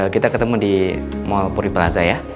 kita ketemu di mall puripraza ya